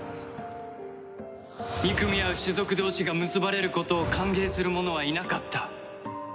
憎み合う種族同士が結ばれることを歓迎する者はいなかった。